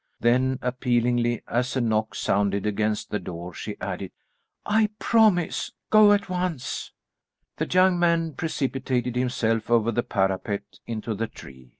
Then appealingly, as a knock sounded against the door, she added, "I promise. Go at once." The young man precipitated himself over the parapet into the tree.